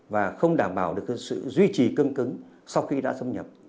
và không đảm bảo được sự duy trì cương cứng sau khi đã xâm nhập